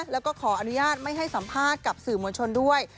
แล้วก็ขออนุญาตไม่ให้สัมภาษณ์กับสื่อมวลชนด้วย